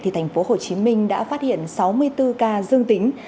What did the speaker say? thành phố hồ chí minh đã phát hiện sáu mươi bốn ca dương tính